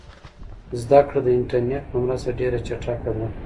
زده کړه د انټرنیټ په مرسته ډېره چټکه ده.